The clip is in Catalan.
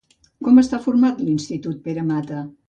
Com està format l'Institut Pere Mata?